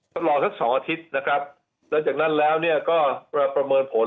ตลอดทั้งสองอาทิตย์นะครับหลังจากนั้นแล้วเนี่ยก็ประเมินผล